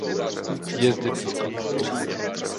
Je zde pískovna.